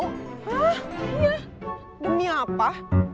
hah iya demi apa